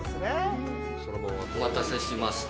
お待たせしました。